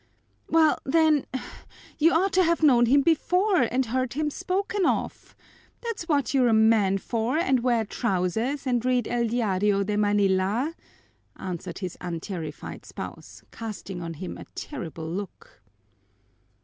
"Well then, you ought to have known him before and heard him spoken of. That's what you're a man for and wear trousers and read El Diario de Manila," answered his unterrified spouse, casting on him a terrible look.